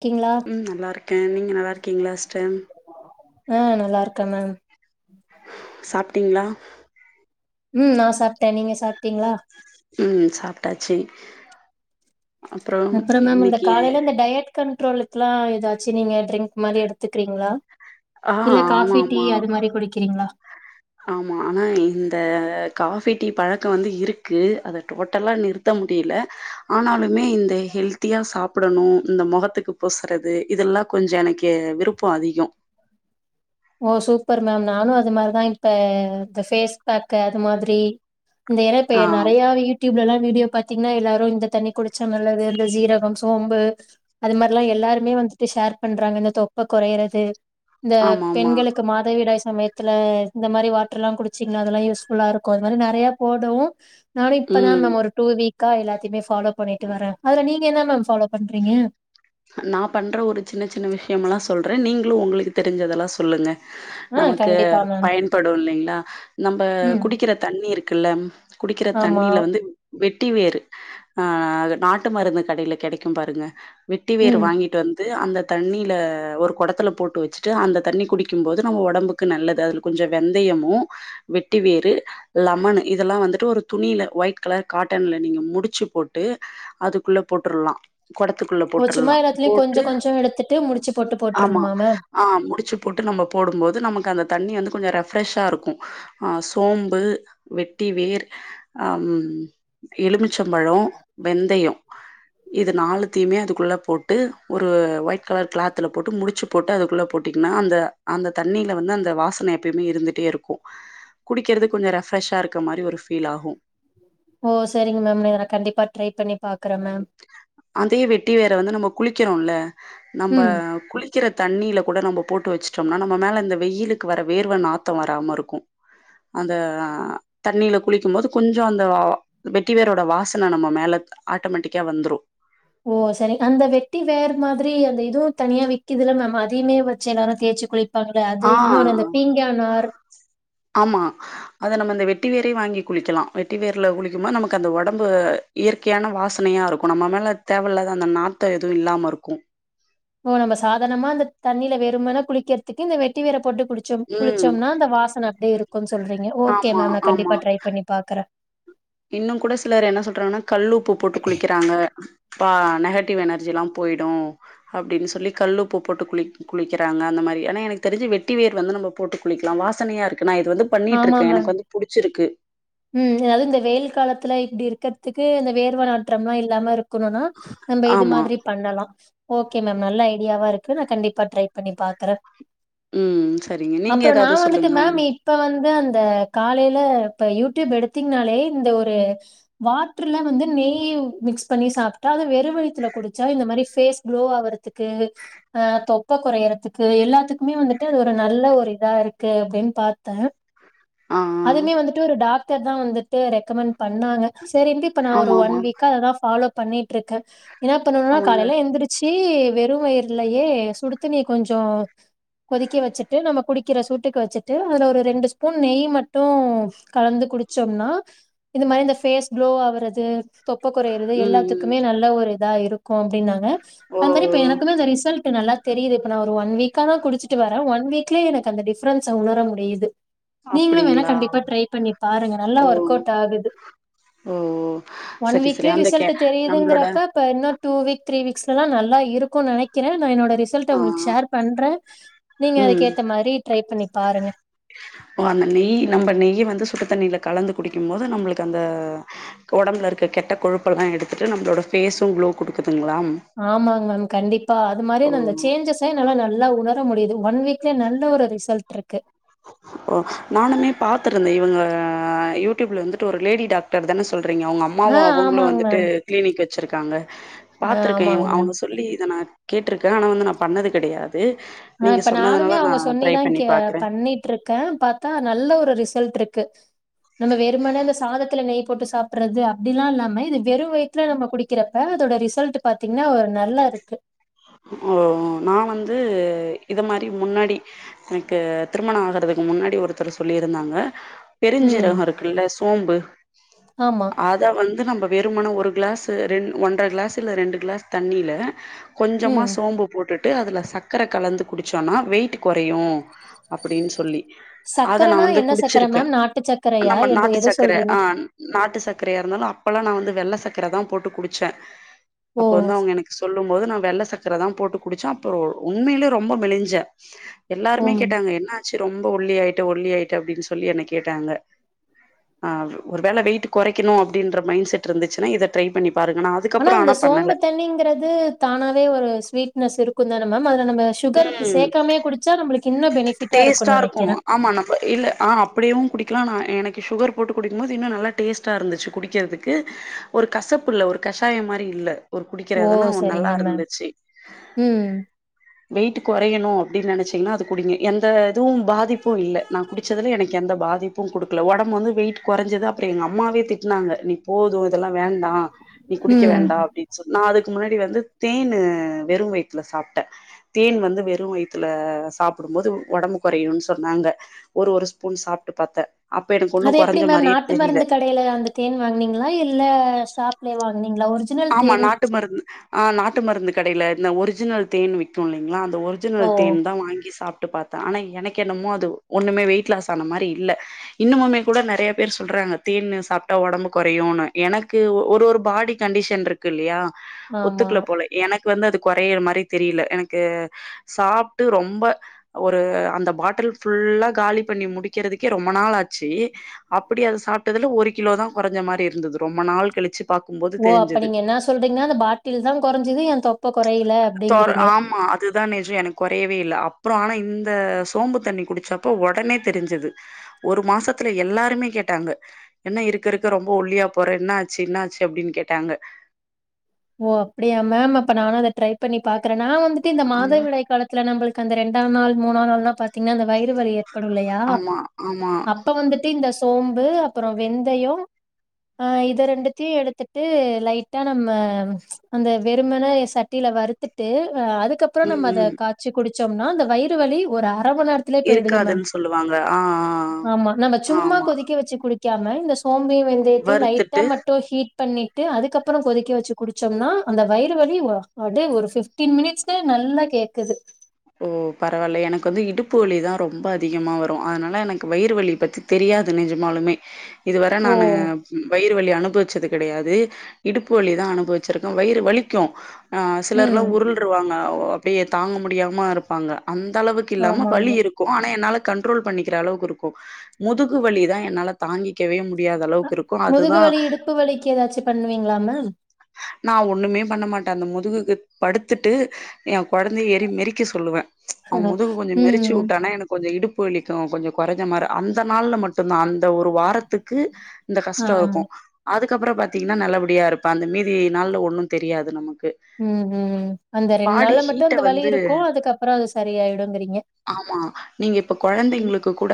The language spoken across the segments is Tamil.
இருக்கீங்களா ம் நல்லாருக்கேன் நீங்க நல்லாருக்கீங்களா சிஸ்டர் ஆ நல்லாருக்கேன் மேம் சாப்ட்டீங்களா ம் நா சாப்ட்டேன் நீங்க சாப்ட்டீங்களா ம் சாப்டாச்சு அப்புறம் மேம் இந்த இன்னைக்கு காலையில இந்த டயட் கண்ட்ரோலுக்குலாம் ஏதாச்சு நீங்க ட்ரிங்க் மாறி எடுத்துக்கிறீங்களா ஆ இல்ல ஆமா காஃபி டீ ஆமா அது மாதிரி குடுக்கிறீங்களா ஆமா ஆனா இந்த காஃபி டீ பழக்கம் வந்து இருக்கு அத டோட்டலா நிறுத் த முடியல ஆனாலுமே இந்த ஹெல்தியா சாப்டணும் இந்த முகத்துக்கு பூசுறது இதெல்லாம் கொஞ்சம் எனக்கு விருப்பம் அதிகம் ஓ சூப்பர் மேம் நானும் அது மாதிரிதான் இப்ப இந்த பேஃபேஸ் பேக் அது மாதிரி இந்த ஏன்னா டப்ப ஆ நெறையா வீட் டியூப்ல எல்லாம் வீடியோ யூ ட்யூப்ல யூடுயூப்ல பாத்தீங்கன்னா எல்லாரும் இந்த தண்ணி குடிச்சா நல்லது இந்த சீரகம் சோம்பு அது மாதிரிலாம் எல்லாருமே வந்துட்டு ஷேர் பண்றாங்க இந்த தொப்பை குறையிறது இந்த ஆமா ஆமா பெண்களுக்கு மாதவிடாய் சமயத்துல இந்த மாதிரி வாட்டர்லா குடிச்சீங்கன்னா அதெல்லாம் யூஸ் ஃபுல்லா இருக்கும் அ மாதிரி நிறைய போடும் நானும் இப்பதான் ம் நம்ம ஒரு டூ வீக்கா எல்லாத்தையுமே ஃபாலோ பண்ணிட்டு வரேன் அதுல நீங்க என்ன மேம் ஃபாலோ பண்றீங்க நான் பண்ற ஒரு சின்ன சின்ன விஷயமெல்லாம் சொல்றே நீங்களும் உங்களுக்கு தெரிஞ்சதெல்லாம் சொல்லுங்க ஆ நமக்கு கண்டிப்பா மேம் பயன்படும் இல்லைங்லா நம்ம ம் குடிக்கிற தண்ணி இருக்குல்ல குடிக்கிற ஆமா தண்ணில வந்து வெட்டி வேரு ஆ நாட்டு மருந்து கடையில கெடைக்கும் பாருங்க வெட்டிவேர் ம் வாங்கிட்டு வந் து அந்த தண்ணியில ஒரு கொடத்துல போட்டு வச்சுட்டு அந்த தண்ணி குடிக்கும்போது நம்ம ஒடம்பு நல்லது அதுல கொஞ்சம் வெந்தயமும் வெட்டி வேறு லெமன் இதெல்லாம் வந்துட்டு ஒரு துணியில ஒயிட் கலர் காட்டன்ல நீங்க முடிச்சு போட்டு அதுக்குள்ள போட்டுரலாம் கொடத்துக்குள்ள ஓ ச்சுமா போட்டுர்லா. எல்லாத்துலயும் போட்டு கொஞ்சம் கொஞ்சம் எடுத்துட்டு முடிச்சு போட்டு ஆமா போட்டுருணுமா மேம் ஆ முடிச்சு போட்டு நம்ம போடும்போது நமக்கு அந்த தண்ணி வந்து கொஞ்சம் ரெஃப்ரெஷ்ஷா இருக்கும் ஆ சோம்பு வெட்டி வேர் அ எலுமிச் ச்சம்பழம் வெந்தயம் இது நாலுத்தையுமே அதுக்குள்ள போட்டு ஒரு ஒயிட் கலர் கிளாத்துல போட்டு முடிச்சு போட்டு அதுக்குள்ள போட்டிங்கன்னா அந்த அந்த தண்ணில வந்து அந்த வாசனை எப்பயுமே இருந்துட்டே இருக்கும் குடிக்கிறது கொஞ்சம் ரெஃப்ரெஷ்ஷா இருக்க மாதிரி ஒரு ஃபீலாகும் ஓ சரிங்க மேம் இத நா கண்டிப்பா ட்ரை பண்ணி பாக்குறே மேம் அதே வெட்டி வேர வந்து நம்ம குளிக்கிறோல்ல நம்ப ம் குளிக் க்கிற தண்ணில கூட நம்ப போட்டு வச்சுட்டோம்னா நம்ம மேல இந்த வெயிலுக்கு வர வேர்வ நாத்தோ வராம இருக்கு அந்த அ தண்ணில குளிக்கும் போது கொஞ்ச அந்த வா வெட்டி வேரோட வாசன நம்ம மேல ஆட்டோமேட்டிக்கா வந்துரு ஓ அது செரி அந்த வெட்டி வேரு மாதிரி அந்த இதுவு தனியா விக்கிதுல மேம் அதையுமே வெச்சு எல்லாரு தேச்சு குளிப் ப்பாங்க அது ஆ இன்னொன்னு அந்த பீங்கானார் ஆமா அத நம்ம அந்த வெட்டி வேரையு வாங்கி குளிக்கலா வெட்டி வேர்ல குளிக்கும்போது நமக்கு அந்த ஒடம்பு இயற்கையான வாசனையா இருக்கு நம்ம மேல தேவ இல்லாத அந்த நாத்த எதுவு இல்லாம இருக்கு ஓ நம்ப சாதார்ணமா அந்த தண்ணில வெறுமென குளிக்கற்த்துக்கு இந்த வெட்டி வேர போட்டு குளிச் சோம் ம் குளிச்சோம்னா அந்த வாசன அப்டியே இருக்குன் சொல்றீங்க ஓகே ஆமா மேம் நா ஆமா கண்டிப்பா ட்ரை பண்ணி பாக்குறே இன்னு கூட சிலர் என்ன சொல்றாங்கனா கல் உப்பு போட்டு குளிக்கிறாங்க பா நெகட்டிவ் எனர்ஜிலா போயிடு அப்டின்னு சொல்லி கல்லுப்பு போட்டு குளிக் குளிக்கிறாங்க அந்த மாரி ஏனா எனக்கு தெரிஞ்சு வெட்டி வேர் வந்து நம்ம போட்டு குளிக்கலா வாசனயா இருக்கு நா இது வந்து ஆமா பண்ணிக்கிட்ருக்கே மேம். எனக்கு வந்து புடிச்சிருக்கு ம் அதாவ்து இந்த வெயில் காலத்துல இப்டி இருக்கற்த்துக்கு இந்த வேர்வ நாற்றம்லா இல்லாம இருக் க்கணுனா நம்ப இது ஆமா. மாதிரி பண்ணலா ஓகே மேம் நல்ல ஐடியாவா இருக்கு நா கண்டிப்பா ட்ரை பண்ணி பாக்குறே ம் சரிங்க. நீங்க அப்பறோ நா ஏதாவது வந்துட்டு சொல்லுங்க மேம் உங் இ இப்ப வந்து அந்த காலைல இப்ப யூடியூப் எடுத்தீங்னாலே இந்த ஒரு வாட்ருல வந்து நெய்யு மிக்ஸ் பண்ணி சாப்ட்டா அது வெறு வய்த்துல குடிச்சா இந்த மாரி ஃபேஸ் க்ளோ ஆவறத் த்துக்கு அ தொப்ப கொறையறத்துக்கு எல்லாத்துக்குமே வந்துட்டு அது ஒரு நல்ல ஒரு இதா இருக்கு அப்டின் பாத் த்தே ஆ ஆ. அதுமே வந்துட்டு ஒரு டாக்டர் தா வந்துட்டு ரெக்கமெண்ட் பண்ணாங்க சேரின்ட்டு இப்ப நா ஒரு ஒன் ஆமாமா. வீக்கா அததா ஃபாலோ பண்ணிட்ருக்கே என்ன பண்ணுனா அவங்க காலைல எந்திரிச் ச்சி வெறு வயிர்லயே சுடுத்தண்ணிய கொஞ்சொ கொதிக்க வச்சுட்டு நம்ம குடிக்கிற சூட்டுக்கு வச்சுட்டு அதுல ஒரு ரெண்டு ஸ்பூன் நெய் மட்டு கலந்து குடிச்சம்னா இந்த மாரி இந்த ஃபேஸ் க்ளோ ஆவரது தொப்ப கொறையுறது ம் ம். எல்லாத்துக்குமே நல்ல ஒரு இதா இருக்கு அப்டின்னாங்க ஓ அது மாரி ஓ. இப்ப எனக்குமே அந்த ரிசல்ட் ட்டு நல்லா தெரியுது இப்ப நா ஒரு ஒன் வீக்க தா குடிச்சிட்டு வரே ஒன் வீக்லயே எனக்கு அந்த டிஃபரன்ஸ உணர முடியுது நீங்களு வேணா அப்படிங்களா? கண்டிப்பா ட்ரை பண்ணி பாருங்க நல்லா ஓ ஒர்க் அவுட் ஆகுது ஓ ஓ. ஒன் சரி சரி. வீக்லே அந்த கே ரிசல்ட்டு நம்மளோட தெரியுதுங்கிறப்ப ப்ப இன்னு டூ வீக் த்ரீ வீக்ஸ்லலா நல்லா இருக்கு நெனைக் க்கிறே நா என்னோட ரிசல்ட்ட ஆ உங்களுக்கு ஷேர் பண்றே நீங்க அதுக்கு ஏத்த மாரி ட்ரை பண்ணி பாருங்க ஓ அந்த நெய் நம்ப நெய்ய வந்து சுட்டுத்தண்ணில கலந்து குடிக்கும் போது நம்மளுக்கு அந்த ஒடம்புல இருக்க கெட்ட கொழுப்பெல்லா எடுத்துட்டு நம்மளோட ஃபேஸு க்ளோ குடுக்குதுங்ளா ஆமாங் மேம் கண்டிப்பா அது மாரி அந்த அந்த சேஞ்சஸ் தா என்னால நல்லா உணர முடியுது ஒன் வீக்லயே நல்ல ஒரு ரிசல்ட் இருக்கு ஓ நானுமே பாத்துருந்தே இவுங்க யூடியூப்ல வந்துட்டு ஒரு லேடி டாக்டர் தான சொல்றீங்க அவ்ங்க அம் ம்மாவு ஆ அவுங்களு ஆமாங்க வந்துட்டு மேம். கிளீனிக் வெச்சிருக்காங்க ஆ பாத்துருக்கே ஆமாங்க இவ் மேம். அவ்ங்க சொல்லி இத நா கேட்ருக்கே ஆனா வந்து நா பண்ணது கெடையாது ஆ நீங்க இப்ப நானுமே சொன்னதுனால நா அவுங்க ட்ரை சொன்னிதா பண்ணி கே பாக்குறே பண்ணிட்ருக் க்கே பாத்தா நல்ல ஒரு ரிசல்ட்ருக்கு நம்ம வெறுமனே அந்த சாதத்துல நெய் போட்டு சாப்புட்றது அப்டிலா இல்லாம இது வெறு வய் ல நம்ம குடிக்றப்ப அதோட ரிசல்ட் பாத்தீங்ன்னா ஒரு நல்லா இருக்கு ஓ நா வந்து இத மாரி முன்னாடி எனக்கு திருமண ஆகறதுக்கு முன்னாடி ஒருத்தரு சொல்லிருந்தாங்க ம். பெருஞ்சிரக இருக்குல்ல சோம்பு ஆமா. அ த வந்து நம்ப வெருமன ஒரு க்ளாஸ் ரெண் ஒன்ற கிளாஸ் இல்ல ரெண்டு க்ளாஸ் தண்ணில கொஞ்சமா ம். சோம்பு போட்டுட்டு அதுல சக்கர கலந்து குடிச்சோனா வெயிட்டு கொறையு அப்டின் சொல்லி அத நா சக்கரனா வந்து என்ன சக்கர குடிச்சுருக்கே மேம்? நாட்டு சக்கரையா? நம்ப எது நாட்டு எத சக்கர சொல்றீங்க? ஆ நாட்டு சக்கரையாருந்தாலு அப்பலா நா வந்து வெள்ள சக்கரதா போட்டு குடிச்சே ஓ! அப்ப வந்து அவுங்க எனக்கு சொல்லும் போது நா வெள்ள சக்கரதா போட்டு குடிச்சே அப்ப உண்மையிலே ரொம்ப மெலிஞ்சே எல்லாருமே ம். கேட்டாங்க என்னாச்சு ரொம்ப ஒள்ளியாய்ட்ட ஒள்ளியாய்ட்ட அப்டின் சொல்லி என்ன கேட்டாங்க அ ஒரு வேள வெயிட் கொறைக்கணு அப்டின்ற மைண்ட் செட் இருந்துச்சுன்னா இத ட்ரை பண்ணி பாருங்க நா ஆனா அதுக்கப்புறோ அந்த பண்ணல சோம்பு தண்ணிங்கறது தானாவே ஒரு ஸ்வீட்னஸ் இருக்குந்தான மேம் அதுல நம்ம சுகர் ம் சேக்காமே குடிச்சா நம்புளுக்கு இன்னு பெனிஃபிட்டா இருக்கு நெக்கிற ஆமா நம்ப இல்ல ஆ ப்பிடியு குடிக்லா நா எனக்கு சுகர் போட்டு குடிக்கும் போது இன்னு நல்லா டேஸ்ட்டா இருந்துச்சு குடிக்கறதுக்கு ஒரு கசப்புல்ல ஒரு கஷாயம் மாரி இல்ல ஒரு ஓ! குடிக்கிறதான ஒ சரிங்க மேம். நல்லாருந்துச்சு ம் வெயிட்டு கொறையணு அப்பிடி நெனச்சீங்னா அது குடிங்க எந்த இதுவு பாதிப்பு இல்ல நா குடிச்சதுல எனக்கு எந்த பாதிப் பு குடுக்குல ஒடம்பு வந்து வெயிட் கொறஞ்சது அப்புற எங்க அம்மாவே திட்னாங்க நீ போது இதெல்லா வேண்டா நீ குடிக்க ம். வேண்டா அப்டின் சொல் நா அதுக்கு முன்னாடி வந்து தேனு வெறு வயித்துல சாப்ட்டே தேன் வந்து வெறு வயித்துல சாப்புடும் போது ஒடம்பு கொறையுன் சொன்னாங்க ஒரு ஒரு ஸ்பூன் சாப்ட்டு பாத்த அப்ப எனக்கு ஒன்னு கொறஞ்ச மாரியே தெரில கடைல அந்த தேன் வாங்குனீங்களா இல்ல சாப்லே வாங்னீங்களா ஒர்ஜி ஆமா நாட்டு மருந்து அ நாட்டு மருந்து கடைல இந்த ஒரிஜினல் தேன் விக்குல்லிங்களா அந்த ஒர் ஓ ஜினல் தேன்தா வாங்கி சாப்ட்டு பாத்தே ஆனா எனக்கென்னமோ அது ஒண்ணுமே வெயிட் லாஸ் ஆன மாரி இல்ல இன்னுமுமே கூட நெறைய பேர் சொல்றாங்க தேன்னு சாப்ட்டா ஒடம்பு கொறையுனு எனக்கு ஒரு ஒரு பாடி கண்டிஷன் இருக்குல்லையா ஆமா ஒத்துக்குல போல எனக்கு வந்து அது கொறையற மாரி தெரில எனக்கு சாப்ட்டு ரொம்ப ஒரு அந்த பாட்டில் ஃபுல்லா காலி பண்ணி முடிக்கறதுக்கே ரொம்ப நாளாச்சு அப்புடி அது சாப்பிட்டதுல ஒரு கிலோதா கொறைஞ்ச மாரி இருந்துது ரொம்ப நாள் கழிச்சு பாக்கும்போது ஓ அப்ப தெரிஞ்சது நீங்க என்னா சொல்றீங்னா அந்த பாட்டில்தா கொறஞ்சுது என் தொப்ப கொறைல தொற அப்பிடிங்கிறீங்க ஆமா அதுதா நெஜ எனக்கு கொறையவே இல்ல அப்ற ஆனா இந்த சோம்பு தண்ணி குடிச்சப்போ ஒடனே தெரிஞ்சிது ஒரு மாசத்துல எல்லாருமே கேட்டாங்க என்ன இருக்கறுக்க ரொம்ப ஒல்லியா போற என்னாச்சு என்னாச்சு அப்டின் கேட்டாங்க ஓ அப்டியா மேம் அப்ப நானு அத ட்ரை பண்ணி பாக்குறே நா வந்துட்டு இந்த ஆனா மாதவிடாய் காலத் துல நம்புளுக்கு அந்த ரெண்டாம் நாள் மூணாம் நாள்னா பாத்தீங்கனா அந்த வயிறு வலி ஏற்படு இல்லயா அப் ஆமா ஆமா அப்ப வந்துட்டு இந்த சோம்பு அப்புற வெந்தயோ அ இத ரெண்டுத்துயு எடுத்துட்டு லைட்டா நம்ம அந்த வெறுமன சட்டில வறுத்துட்டு அ அதக்கப்புற ம் நம்ம அத ம் கா ச்சு குடிச்சம்னா இந்த வயிறு வலி ஒரு அர மண் நேர த்துலே பேய்டுது மேம் இருக்காதுன்னு சொல்லுவாங்க ஆ ஆ ஆ. ஆமா நம்ம சும்மா ஆமா கொதிக்க வச்சு குடி க்காம இந்த சோம்பயு வெந்தயத்தையு வறுத்துட்டு லைட்டா மட்டும் ஹீட் பண்ணிட்டு அதுக்கப்பற கொதிக்க வச்சு குடிச்சம்னா அந்த வயிறு வலி ஒ அப்டியே ஒரு ஃபிஃப்டீன் மினிட்ஸ்லே நல்லா கேக்குது ஓ பரவால்லயே எனக்கு வந்து இடுப்பு வலிதா ரொம்ப அதிகமா வரு அதனால எனக்கு வயிறு வலி பத்தி தெரியாது நெஜமாலுமே இதுவர ஓ நானு வயிறு வலி அனுபவிச்சதுக் கிடையாது இடுப்பு வழிதா அனுபவிச்சிருக்க வயிறு வலிக்கு அ சிலர்லா ம் உருள் று வாங்க அப்டியே தாங்க முடியாம இருப்பாங்க அந்த அளவுக்கில்லாம வலி ஆமாங்க இருக் கு ஆனா என்னால கண்ட்ரோல் பண்ணிக்கிற அளவுக்கு இருக்கு முதுகு வலிதா என்னால தாங்கிக்கவே முடியாதளவுக்கிருக் முதுகு வலி இடுப்பு வலிக்கு ஏதாச்சு பண்ணுவீங்களா மேம் நா ஒண்ணுமே பண்ண மாட்டே அந்த முதுகுக்கு படுத்துட்டு ஏ கொழந்தைய ஏறி மிறிக் க்க சொல்லுவே அவ முதுகு கொஞ்ச மெரிச்சு ம் உட்டானா எனக் கொஞ்ச இடுப்பு வலிக்கு கொஞ்ச கொறஞ்ச மாரி அந்த நாள்ல மட்டுதா அந்த ஒரு வாரத்துக்கு இந்த ஆ கஷ்ட இருக்கு அதுக்கப்புறோ பாத்தீங்ன்னா நல்லபடியா இருப்ப அந்த மீதி நாள்ல ஒண்ணு தெரியாது நமக்கு ம் ம் அந்த ரெண்டு பாடி நாள்ல மட்டு ஹீட்ட அந்த வலி வந்து இருக்கு அதுக்கப்பற அது சரியாயிடுங்குறீங்க ஆமா நீங்க இப்ப கொழந்தைங்களுக்கு கூட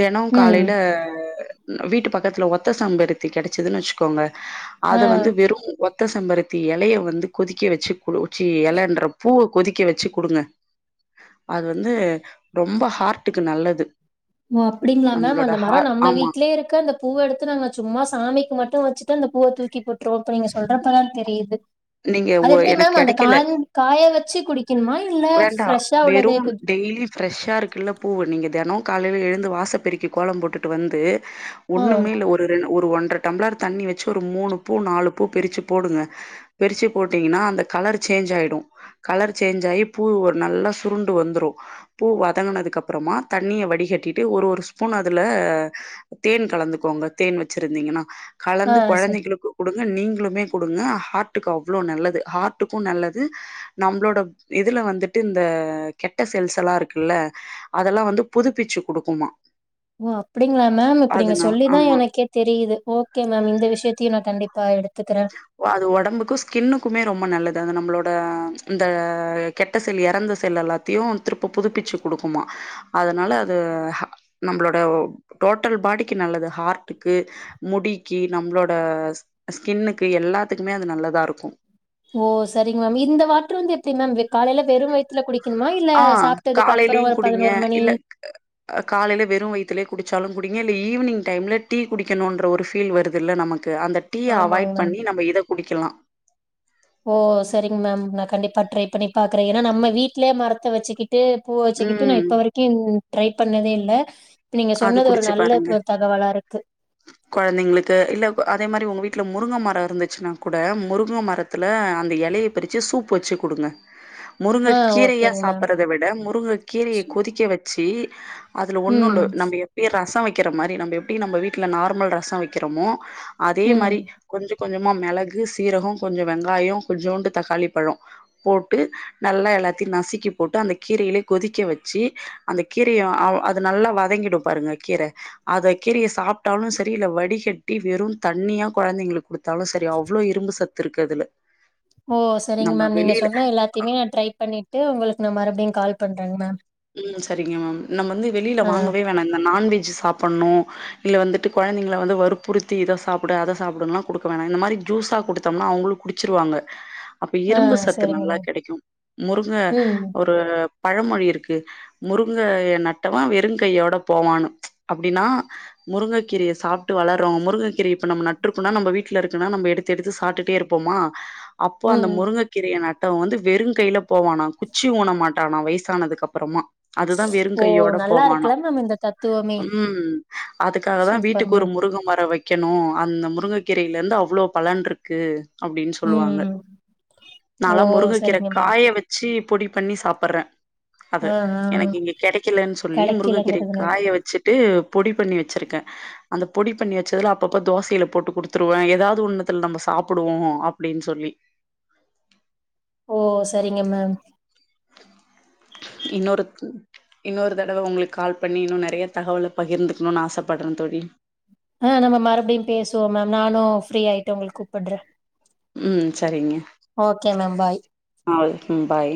தெனோ ம் காலையில ம் வீட்டு பக்கத்துல ஒத்த செம்பருத்தி கெடச்சதுன வச்சுக்கோங்க ஆ அத வந்து வெறு ஒத்த செம்பருத்தி எலையை வந்து கொதிக்க வச்சு குளு ச்சி எலைன்ற பூவ கொதிக்க வச்சு குடுங்க அது வந்து ரொம்ப ஹார்ட்டுக்கு நல்லது ஓ அப்டிங்களா மேம் நம்மளோட அந்த மர ஹா நம்ம ஆமா வீட்லே இருக்கு அந்தப் பூவ எடுத்து நாங்க சும்மா சாமிக்கு மட்டு வச்சுட்டு அந்த பூவ தூக்கி போட் ருவோ இப்ப நீங்க சொல்றப்பதா தெரியுது நீங்க ஒ அது எப்டி எனக்கு மேம் அந்த கா கெடைக்கல காய வச்சு குடிக்கணுமா இல்ல ஃப்ரெஷ்ஷா உள்ளதே கொஞ்ச டெய்லியு ஃப்ரெஷ்ஷா இருக்குல்ல பூவு நீங்க தெனோ காலையில எழுந்து வாசப் பெருக்கி கோலம் போட்டுட்டு வந்து ஓ ஒண்ணுமே இல்ல ஒரு ரெண் ஒரு ஒன்ரை டம்ளர் தண்ணி வச்சு ஒரு மூணு பூ நாலு பூ பிரிச்சு போடுங்க பிரிச்சுப் போட்டீங்கன்னா அந்த கலர் சேஞ்ச் ஆயிடு கலர் சேஞ்ச் ஆகி பூ ஒரு நல்லா சுருண்டு வந்துரு பூ வதங்குனதுக்கு அப்புறமா தண்ணிய வடிகட்டிட்டு ஒரு ஒரு ஸ்பூன் அதுல தேன் கலந்துக்கோங்க தேன் வச்சிருந்தீங்கன்னா ஆ கலந்து சரி கொழந்தைகளுக்கு குடுங்க நீங்களுமே குடுங்க ஹார்ட் டுக்கு அவ்ளோ நல்லது ஹார்ட்டுக்கு நல்லது நம்பளோட இதுல வந்துட்டு இந்த கெட்ட செல்சலா இருக்குல்ல அதெல்லா வந்து புதுப்பிச்சு குடுக்குமா ஓ அப்டிங்களா மேம் இப்ப நீ அதனா சொல்லிதா ஆமா எனக்கே தெரியுது ஓகே மேம் இந்த விஷயத்தையு நா கண்டிப்பா எடுத்துக்குறே ஒ அது ஒடம்புக்கு ஸ்கின்னுக்குமே ரொம்ப நல்லது அது நம்மளோட இந்த கெட்ட செல் எறந்த செல் எல்லாத்தையு திருப்ப புதுப்பிச்சு குடுக்குமா அதனால அது நம்பளோட வ் டோட்டல் பாடிக்கு நல்லது ஹார்ட்டுக்கு முடிக்கி நம்ளோட ஸ் கின்னுக்கு எல்லாத்துக்குமே அது நல்லதா இருக்கு ஓ சரிங்க மேம் இந்த வாட்ரு வந்து எப்டி மேம் காலையில வெறு வைத் துல குடிக்கணுமா இல்ல ஆ சாப்ட்டதுக்கு அப்புறோ காலையிலயு ஒரு குடிங்க பதினொரு மணி இல்ல காலையில வெறும் வயித்துலே குடிச்சாலு குடிங்க இல்ல ஈவினிங் டைம்ல டீ குடிக்கணும்ன்ற ஒரு ஃபீல் வருதுல்ல நமக் க்கு அந்த டீ ஆமாங்க அவாய்ட் மேம். பண்ணி நம்ம இத குடிக்கலா ஓ சரிங்க மேம் நா கண்டிப்பா ட்ரை பண்ணி பாக்குறே ஏன்னா நம்ம வீட்லயே மரத்த வச்சுக்கிட் டு பூவ வச்சுக்கிட்டு நா ம் இப்ப வரைக்கு ட்ரை பண்ணவே இல்ல இப்ப நீங்க அது சொன்னது ஒரு குடிச்சு நல்ல பாருங்க த தகவலா இருக்கு கொழந்தைங்களுக்கு இல்ல அதே மாரி உங்க வீட்டுல முருங்க மர இருந்துச்சுன்னா கூட முருங்க மரத் த்துல அந்த எலையை பறிச்சு சூப்பு வச்சு குடுங்க முருங்க ஆ கீரையா ஓகேங்க மேம். சாப்பிறத விட முருங்க கீரைய கொதிக்க வச்சு அதில ம், ஒன்னுல்ல எப்பயு ரசோ வைக்கிற மாரி நம்ப எப்டி நம்ப வீட்ல நார்மல் ரசோ வைக்கிறமோ அதே ம். மாரி கொஞ்ச கொஞ்சமா மெளகு சீரகோ கொஞ்சோ வெங்காயோ கொஞ்சோண்டு தக்காளி பழம் போட்டு நல்லா எல்லாத்தையு நசுக்கி போட்டு அந்த கீரையிலே கொதிக்க வச்சு அந்த கீரையு அவ் அது நல்லா வதங்கிடு பாருங்க கீர அத கீரிய சாப்பிட்டாலு செரி இல்ல வடிகட்டி வெறு தண்ணியா கொழந்தைங்களுக்கு கொடுத்தாலு செரி அவ்ளோ இரும்பு சத் இருக்கு அதுல ஓ சரிங்க நம்ம மேம் நீங்க வெளியில சொன்னா எல்லாத்தையுமே நா ட்ரை பண்ணிட்டு உங்களுக்கு நா மறுபடியு கால் பண்றேங் மேம் ம் சரிங்க மேம் நம்ம வந்து வெளில ஆ, வாங்கவே வேணா இந்த நான்வெஜ் சாப்பிட்ணு இல்ல வந்துட்டு கொழந்தைங்கள வந்து வற்புறுத்தி இத சாப்டு அத சாப்பிடுன்லா குடுக்க வேணா இந்த மாரி ஜூஸா குடுத்தோம்னா அவங்களு குடிச்சிருவாங்க அப்போ ஆ இரும்பு சத்து சரிங்க நல்லா மேம். கெடைக்கு முருங்க ம், ஒரு பழமொழி இருக்கு முருங்கைய நட்டவே வெறுங்கையோட போவானு ச் அப்டின்னா முருங்கக் கீரய சாப்ட்டு வளர்ரோ முங்ககீரய இப்ப நம்ம நட்ருக்கோனா நம்ம வீட்ல இருக்குனா நம்ம எடுத் எடுத்து சாப்ட்டுட்டே இருப்போமா அப்போ அந்த ம். முருங்க கீரய நட்டவே வந்து வெறுங் கையில போவானா குச்சி ஊன மாட்டானா வயசானதுக் அப் புறமா அதுதா ஓ வெறும்ங்கையோட நல்லா போவானா இருக்குல்ல மேம் இந்த தத்துவமே! ம் அதுக் காக தா சூப்பர் வீட்டுக்கொரு மேம் முருங்க மரோ வைக்கணு அந்த முருங்கக் கீரையில இருந்து அவ்ளோ பலன் இருக்கு அப்டின் சொல்லுவாங்க ம் ஓ நால்லா முருங்கக்கீர சரிங்க மேம் காய வச்சி பொடி பண்ணி சாப்பிட்றே அது ஆ ஆ எனக்கு இங்க கெடைக்கலனு சொல்லி முருங்ககீரய கெடைக்கலங்கிறதுனால காய வச்சு ட்டு பொடி பண்ணி வச்சிருக்கே அந்த பொடி பண்ணி வச்சதுல அப்பப்ப தோசையில போட்டு குடுத்துருவே ஏதாவது ஒண்ணுத்துல நம்ம சாப்பிடுவோ அப்டின் சொல்லி ஓ சரிங்க மேம் இன்னொருக் இன்னொரு தடவ உங்களுக் கால் பண்ணி இன்னு நெறய தகவல பகிர்ந்துக்ணுன்னு ஆசப்பட்றே தோழி ஆ நம்ம மறுபடியு பேசுவோ மேம் நானு ஃப்ரீயாய்ட்டு உங்களுக் கூப்பிட்றே ம் செரிங்க மேம் பாய் அவ்ளோதா பாய்